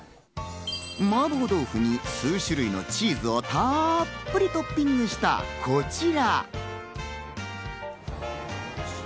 麻婆豆腐に数種類のチーズをたっぷりとトッピングしたこちら。